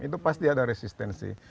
itu pasti ada resistensi